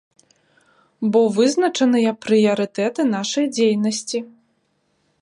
Бо вызначаныя прыярытэты нашай дзейнасці.